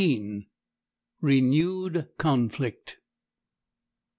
RENEWED CONFLICT.